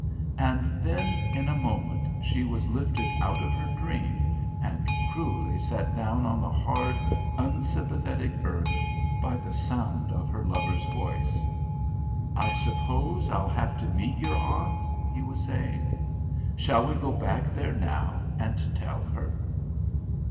And then, in a moment, she was lifted out of her dream and cruelly set down on the hard, unsympathetic earth by the sound of her lover's voice. "I suppose I'll have to meet your aunt?" he was saying. "Shall we go back there now, and tell her?"